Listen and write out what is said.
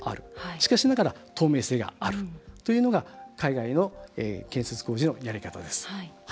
しかしながら透明性があるというのが海外の建設工事のやり方です。